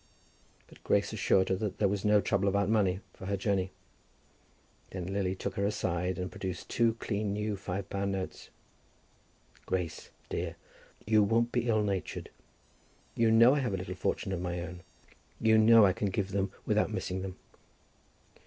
But Grace assured her that there was no trouble about money for her journey. Then Lily took her aside and produced two clean new five pound notes. "Grace, dear, you won't be ill natured. You know I have a little fortune of my own. You know I can give them without missing them."